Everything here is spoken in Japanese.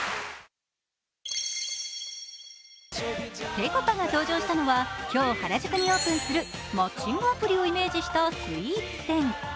ぺこぱが登場したのは今日、原宿にオープンするマッチングアプリをイメージしたスイーツ店。